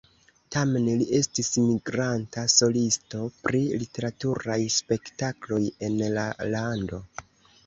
Tamen li estis migranta solisto pri literaturaj spektakloj en la lando.